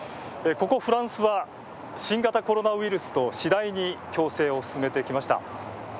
ここフランスは新型コロナウイルスと次第に共生を進めてきました。